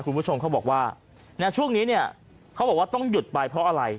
คุณผู้ชมเขาบอกว่าช่วงนี้เนี่ยเขาบอกว่าต้องหยุดไปเพราะอะไร